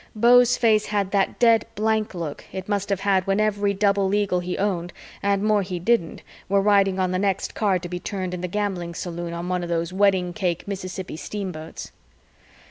Beau's face had that dead blank look it must have had when every double eagle he owned and more he didn't were riding on the next card to be turned in the gambling saloon on one of those wedding cake Mississippi steamboats.